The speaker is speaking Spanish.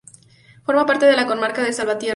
Forma parte de la comarca de Salvatierra.